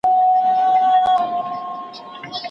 مور د ماشوم د خوب چاپېريال ارام ساتي.